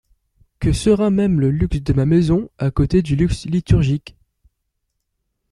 Que sera même le luxe de ma maison, à côté du luxe liturgique?